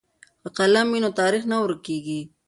که قلم وي نو تاریخ نه ورکېږي.